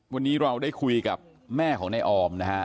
วันนี้เราได้คุยกับแม่ของนายออมนะฮะ